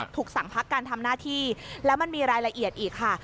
ถูกสั่งพักการทำหน้าที่แล้วมันมีรายละเอียดอีกค่ะ